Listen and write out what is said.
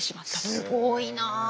すごいな。